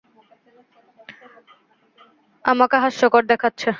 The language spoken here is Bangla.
আমাকে হাস্যকর দেখাচ্ছে।